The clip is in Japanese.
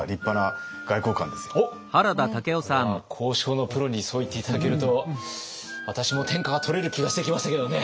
これは交渉のプロにそう言って頂けると私も天下が取れる気がしてきましたけどね。